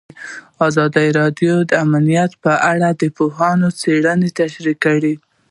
ازادي راډیو د امنیت په اړه د پوهانو څېړنې تشریح کړې.